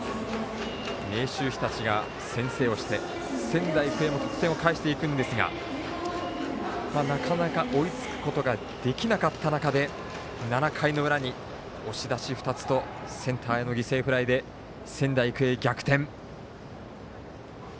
明秀日立が先制をして仙台育英も得点を返していくんですがなかなか、追いつくことができなかった中で７回裏に押し出し２つとセンターへの犠牲フライで仙台育英、逆転。